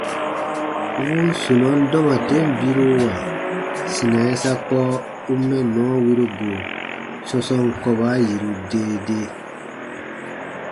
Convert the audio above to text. Wuu sunɔn dɔma ten biruwa sina yasakpɔ u mɛnnɔ wiru go sɔ̃sɔɔn kɔba yiru dee dee.